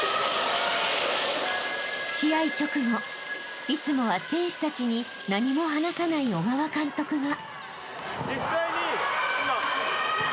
［試合直後いつもは選手たちに何も話さない小川監督が］